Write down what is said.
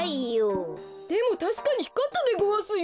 でもたしかにひかったでごわすよ。